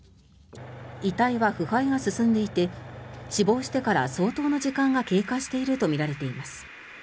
遺体は腐敗が進んでいて死亡してから相当の時間が経過しているとみられています。